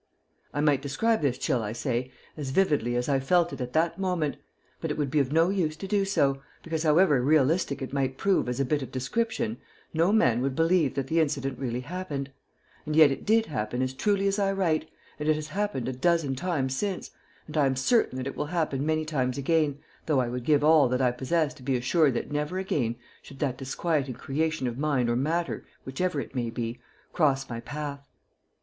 I might describe this chill, I say, as vividly as I felt it at that moment, but it would be of no use to do so, because, however realistic it might prove as a bit of description, no man would believe that the incident really happened; and yet it did happen as truly as I write, and it has happened a dozen times since, and I am certain that it will happen many times again, though I would give all that I possess to be assured that never again should that disquieting creation of mind or matter, whichever it may be, cross my path.